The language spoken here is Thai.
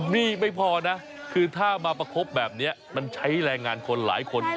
นี่ไม่พอนะคือถ้ามาประคบแบบนี้มันใช้แรงงานคนหลายคน